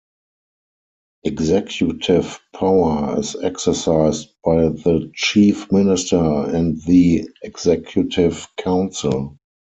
Executive power is exercised by the Chief Minister and the Executive Council.